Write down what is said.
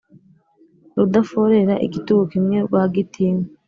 Rudaforera igitugu kimwe rwa Gitinywa